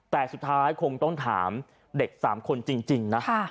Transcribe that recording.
แต่สุดท้ายคงต้องถามเด็ก๓คนจริงนะ